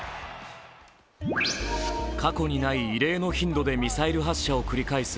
過去にない異例の頻度でミサイル発射を繰り返す